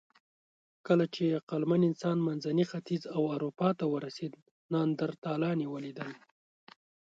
کله چې عقلمن انسان منځني ختیځ او اروپا ته ورسېد، نیاندرتالان یې ولیدل.